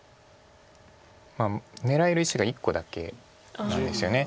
狙える石が１個だけなんですよね。